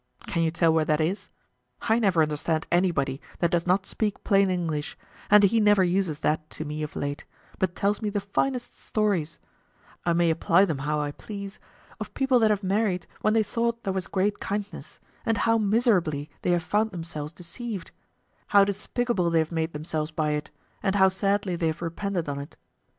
Can you tell where that is? I never understand anybody that does not speak plain English, and he never uses that to me of late, but tells me the finest stories (I may apply them how I please) of people that have married when they thought there was great kindness, and how miserably they have found themselves deceived; how despicable they have made themselves by it, and how sadly they have repented on't.